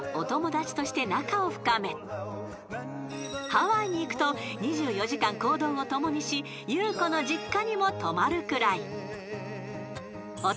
［ハワイに行くと２４時間行動を共にしゆう子の実家にも泊まるくらい］